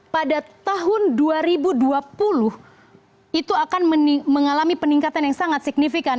pada tahun dua ribu dua puluh itu akan mengalami peningkatan yang sangat signifikan